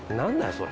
それ。